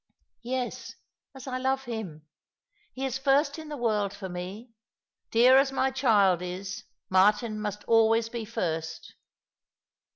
" Yes, as I love him. He is first in the world for me. Dear as my child is, Martin must always be first."